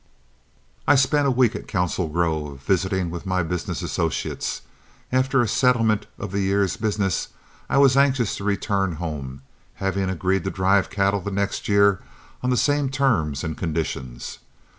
I spent a week at Council Grove, visiting with my business associates. After a settlement of the year's business, I was anxious to return home, having agreed to drive cattle the next year on the same terms and conditions.